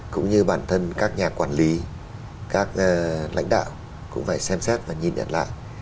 cũng như bản thân các nhà quản lý các lãnh đạo cũng phải xem xét và nhìn nhận lại